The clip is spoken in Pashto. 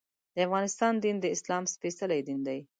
د افغانستان دین د اسلام سپېڅلی دین دی.